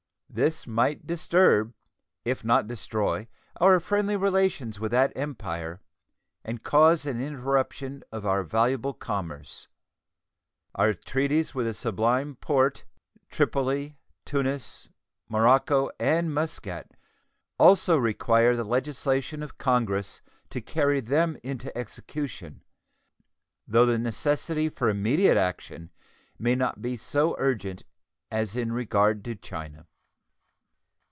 This might disturb, if not destroy, our friendly relations with that Empire, and cause an interruption of our valuable commerce. Our treaties with the Sublime Porte, Tripoli, Tunis, Morocco, and Muscat also require the legislation of Congress to carry them into execution, though the necessity for immediate action may not be so urgent as in regard to China.